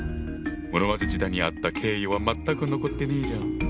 室町時代にあった敬意は全く残ってねえじゃん！